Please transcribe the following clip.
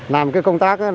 làm công tác